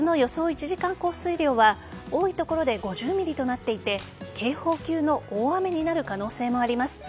１時間降水量は多い所で５０ｍｍとなっていて警報級の大雨になる可能性もあります。